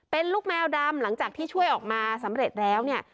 เป็นลูกแมวดำหลังจากที่ช่วยออกมาสำเร็จแล้วเนี่ย